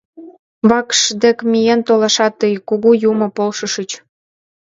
Вакш дек миен толашат тый, Кугу Юмо, полшышыч.